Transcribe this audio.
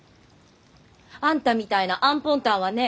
あんたみたいなアンポンタンはね